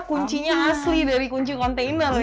kuncinya asli dari kunci kontainer ya